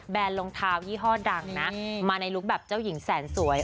รองเท้ายี่ห้อดังนะมาในลุคแบบเจ้าหญิงแสนสวย